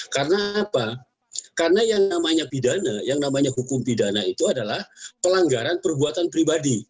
karena apa karena yang namanya pidana yang namanya hukum pidana itu adalah pelanggaran perbuatan pribadi